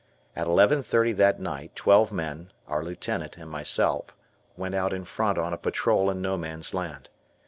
At 11.30 that night twelve men, our Lieutenant, and myself went out in front on a patrol in No Man's Land.